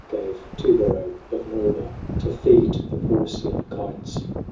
Ill Gave Tubero of Norba To feed the Porcian kites.